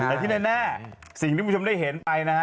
แต่ที่แน่สิ่งที่คุณผู้ชมได้เห็นไปนะฮะ